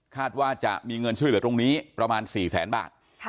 ว่าจะมีเงินช่วยเหลือตรงนี้ประมาณ๔แสนบาท